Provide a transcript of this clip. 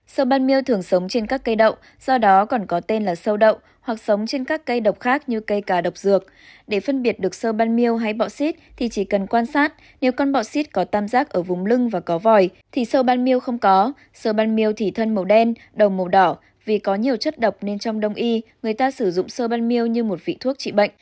sâu ban miêu thường sống trên các cây đậu do đó còn có tên là sâu đậu hoặc sống trên các cây độc khác như cây cà độc dược để phân biệt được sâu ban miêu hay bọ xít thì chỉ cần quan sát nếu con bọ xít có tam giác ở vùng lưng và có vòi thì sâu ban miêu không có sâu ban miêu thì thân màu đen đầu màu đỏ vì có nhiều chất độc nên trong đông y người ta sử dụng sâu ban miêu như một vị thuốc trị bệnh